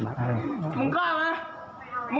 อ๊อฟอ่ะผมไม่กลัว